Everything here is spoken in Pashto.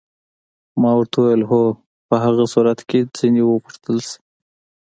ما ورته وویل: هو، په هغه صورت کې که ځینې وغوښتل شي.